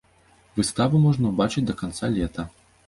Выставу можна ўбачыць да канца лета.